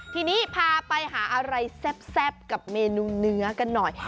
ทีนี้พาไปหาอะไรแซ่บกับเมนูเนื้อกันหน่อย